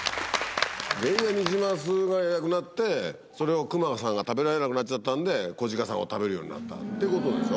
原因がニジマスがいなくなってそれをクマさんが食べられなくなっちゃったんで子ジカさんを食べるようになったってことでしょ？